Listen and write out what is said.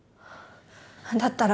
だったら。